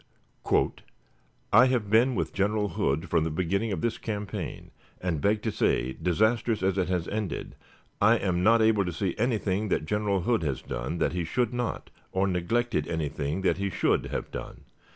. I have been with General Hood from the beginning of this campaign, and beg to say, disastrous as it has ended, I am not able to see anything that General Hood has done that he should not, or neglected any thing that he should, have done